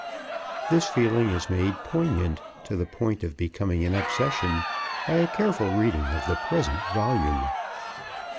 This feeling is made poignant, to the point of becoming an obsession, by a careful reading of the present volume.